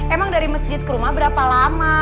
emang dari masjid ke rumah berapa lama